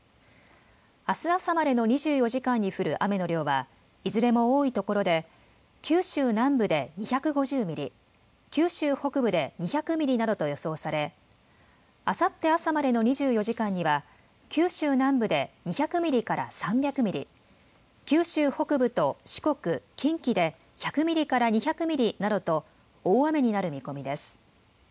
あす朝までの２４時間に降る雨の量はいずれも多いところで九州南部で２５０ミリ、九州北部で２００ミリなどと予想されあさって朝までの２４時間には九州南部で２００ミリから３００ミリ、九州北部と四国、近畿で１００ミリから２００ミリなどと大雨になる見込みです。